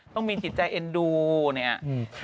ต้องมีจิตใจเอ็นดูนะครับ